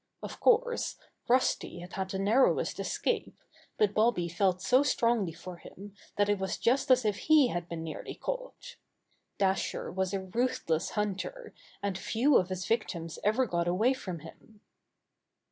Of course, Rusty had had the narrowest es cape, but Bobby felt so strongly for him that it was just as if he had been nearly caught. Dasher was a ruthless hunter, and few of his victims ever got away from him.